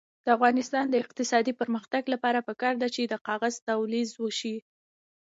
د افغانستان د اقتصادي پرمختګ لپاره پکار ده چې کاغذ تولید شي.